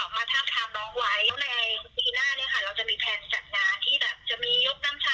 ไม่ต้องสงสัยไม่มีอะไรไม่มีท้องไม่มีอะไรนะค่ะ